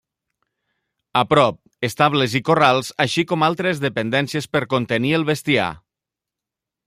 A prop, estables i corrals així com altres dependències per contenir el bestiar.